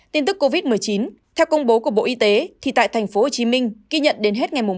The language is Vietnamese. tin tức covid một mươi chín theo công bố của bộ y tế thì tại tp hcm ghi nhận đến hết ngày ba mươi